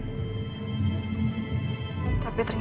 tapi ternyata aku takut beneran pas sekarang